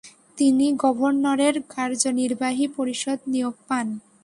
তিনি গভর্নরের কার্যনির্বাহী পরিষদ নিয়োগ পান।